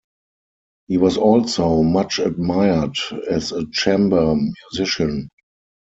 He was also much admired as a chamber musician.